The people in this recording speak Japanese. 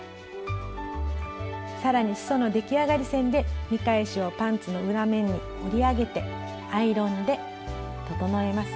更にすその出来上がり線で見返しをパンツの裏面に折り上げてアイロンで整えます。